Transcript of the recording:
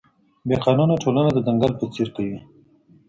بې قانوني ټولنه د ځنګل په څېر کوي.